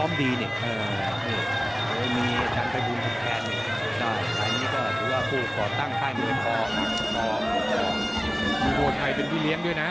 มีโพธ์ใหม่เป็นที่เลี้ยงด้วยนะ